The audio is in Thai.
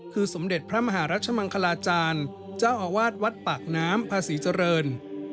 คือสมเด็จพระมหารัชมังคลาจารย์เจ้าอาวาสวัดปากน้ำภาษีเจริญ